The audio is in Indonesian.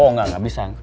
oh enggak gak bisa